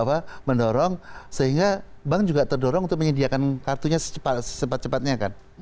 apa mendorong sehingga bank juga terdorong untuk menyediakan kartunya secepat cepatnya kan